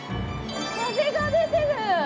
風が出てる！